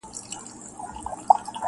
ساقي در مبارک دي میکدې وي ټولي تاته-